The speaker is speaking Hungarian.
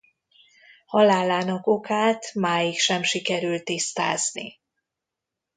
Halálának okát máig sem sikerült tisztázni.